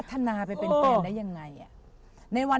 คนนี้แหละ